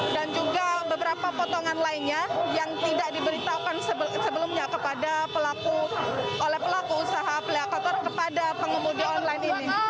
dan juga beberapa potongan lainnya yang tidak diberitakan sebelumnya oleh pelaku usaha peliakator kepada pengemudi online